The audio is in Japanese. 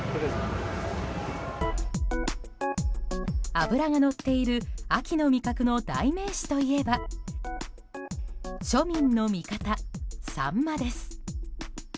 脂がのっている秋の味覚の代名詞といえば庶民の味方、サンマです。